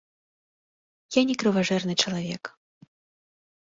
Я не крыважэрны чалавек.